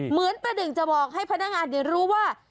เหมือนประหนึ่งจะบอกให้พนักงานได้รู้ว่า